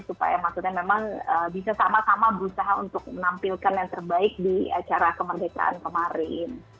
supaya maksudnya memang bisa sama sama berusaha untuk menampilkan yang terbaik di acara kemerdekaan kemarin